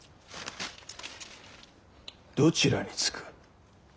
どちらにつく？